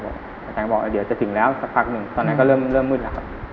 อาจารย์บอกเดี๋ยวจะถึงแล้วสักพักหนึ่งตอนนั้นก็เริ่มมืดแล้วครับ